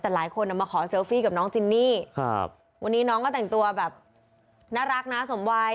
แต่หลายคนมาขอเซลฟี่กับน้องจินนี่วันนี้น้องก็แต่งตัวแบบน่ารักนะสมวัย